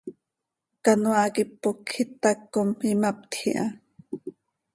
Canoaa quih ipocj itac com imaptj iha.